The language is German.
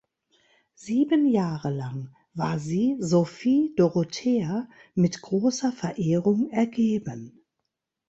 Sieben Jahre lang war sie Sophie Dorothea mit großer Verehrung ergeben.